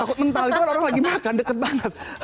takut mental itu kan orang lagi makan deket banget